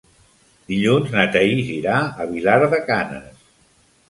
Dilluns na Thaís irà a Vilar de Canes.